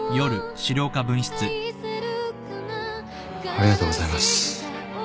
ありがとうございます。